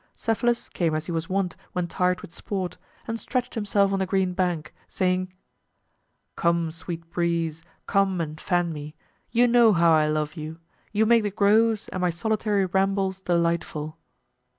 Cephalus came as he was wont when tired with sport, and stretched himself on the green bank, saying, "Come, sweet breeze, come and fan me; you know how I love you! you make the groves and my solitary rambles delightful."